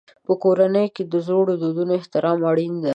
په کورنۍ کې د زړو دودونو احترام اړین دی.